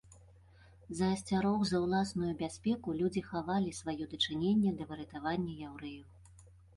З-за асцярог за ўласную бяспеку людзі хавалі сваё дачыненне да выратавання яўрэяў.